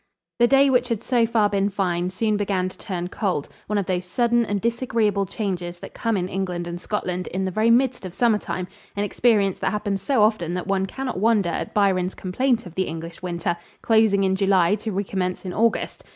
The day, which had so far been fine, soon began to turn cold one of those sudden and disagreeable changes that come in England and Scotland in the very midst of summertime, an experience that happens so often that one can not wonder at Byron's complaint of the English winter, "closing in July to re commence in August."